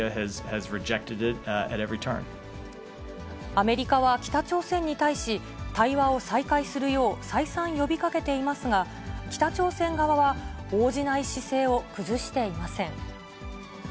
アメリカは北朝鮮に対し、対話を再開するよう再三呼びかけていますが、北朝鮮側は、応じない姿勢を崩していません。